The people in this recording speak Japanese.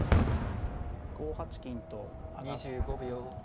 ５八金と上がっておくか。